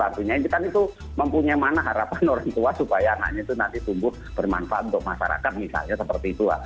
artinya kan itu mempunyai mana harapan orang tua supaya anaknya itu nanti tumbuh bermanfaat untuk masyarakat misalnya seperti itu